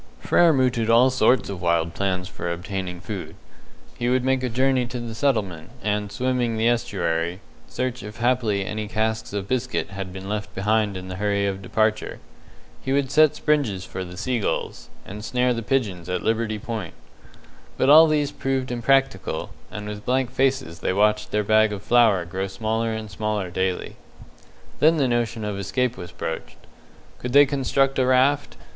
Frere mooted all sorts of wild plans for obtaining food. He would make a journey to the settlement, and, swimming the estuary, search if haply any casks of biscuit had been left behind in the hurry of departure. He would set springes for the seagulls, and snare the pigeons at Liberty Point. But all these proved impracticable, and with blank faces they watched their bag of flour grow smaller and smaller daily. Then the notion of escape was broached. Could they construct a raft?